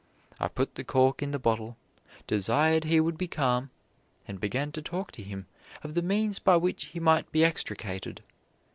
I put the cork in the bottle, desired he would be calm, and began to talk to him of the means by which he might be extricated.